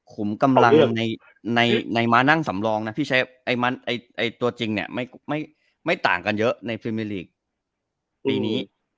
ขุมกำลังในมานั่งสำรองพี่เชฟตัวจริงไม่ต่างกันเยอะในฟิมีลีกปีนี้